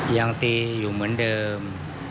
ยังตีอยู่เหมือนเดิม